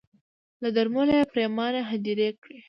له درملو یې پرېماني هدیرې کړې